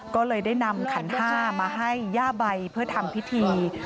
ก็เลยได้นำขันห้ามาให้ย่าใบเพื่อทำพิธี